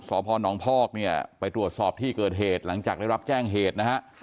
สพนพอกเนี่ยไปตรวจสอบที่เกิดเหตุหลังจากได้รับแจ้งเหตุนะฮะ